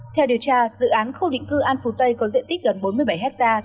theo điều tra dự án khu định cư an phú tây có diện tích gần bốn mươi bảy ha